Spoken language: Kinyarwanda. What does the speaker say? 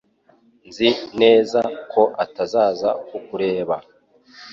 Nzi neza ko atazaza kukureba